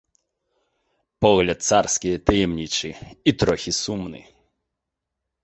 Погляд царскі, таямнічы і трохі сумны.